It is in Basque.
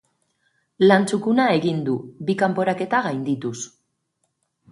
Lan txukuna egin du, bi kanporaketa gaindituz.